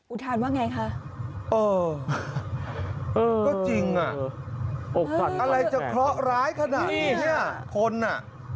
ทานว่าไงคะเออเออก็จริงอ่ะอะไรจะเคราะห์ร้ายขนาดนี้เนี่ยคนอ่ะ